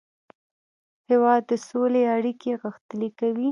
هېواد د سولې اړیکې غښتلې کوي.